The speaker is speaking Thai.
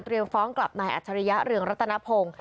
เตรียมฟ้องกับนายอัชริยะเรืองรัตนภง